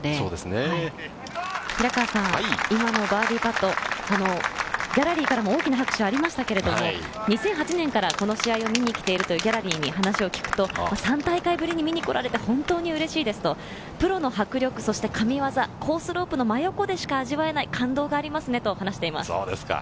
平川さん、今のバーディーパット、ギャラリーからも大きな拍手ありましたけれども、２００８年からこの試合を見にきているというギャラリーに話を聞くと、３大会ぶりに見にこられて、本当にうれしいですと、プロの迫力、そして神技、コースロープの間近でしか味わえない感動がありますねと話していそうですか。